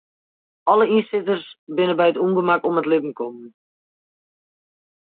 Alle ynsitters binne by it ûngemak om it libben kommen.